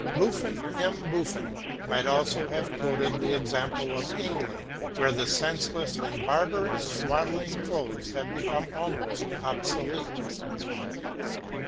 Buffon. M. Buffon might also have quoted the example of England, where the senseless and barbarous swaddling clothes have become almost obsolete.